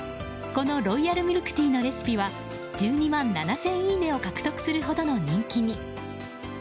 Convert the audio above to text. このロイヤルミルクティーのレシピは１２万７０００いいねを獲得するほどの人気に。